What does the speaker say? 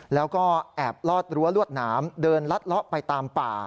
แล้วก็แอบลอดรั้วลวดหนามเดินลัดเลาะไปตามป่า